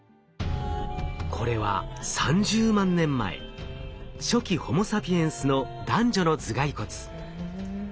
これは３０万年前初期ホモサピエンスの男女の頭蓋骨。